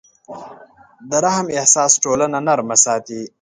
د رحم احساس ټولنه نرمه ساتي.